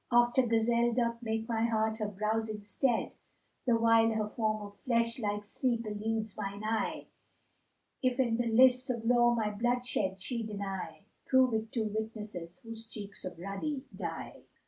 Oft a gazelle doth make my heart her browsing stead * The while her form of flesh like sleep eludes mine eye: If in the lists of Law my bloodshed she deny, * Prove it two witnesses those cheeks of ruddy dye."